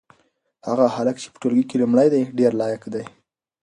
هغه هلک چې په ټولګي کې لومړی دی ډېر لایق دی.